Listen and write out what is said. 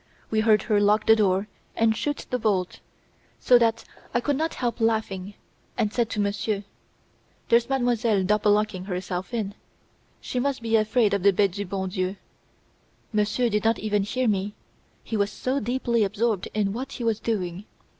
We heard her lock the door and shoot the bolt, so that I could not help laughing, and said to Monsieur: "There's Mademoiselle double locking herself in, she must be afraid of the 'Bete du bon Dieu!'" Monsieur did not even hear me, he was so deeply absorbed in what he was doing.